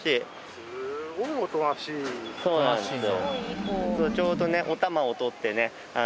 そうなんですよ。